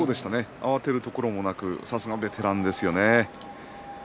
慌てるところもなくさすがベテランですよね。